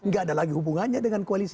gak ada lagi hubungannya dengan koalisi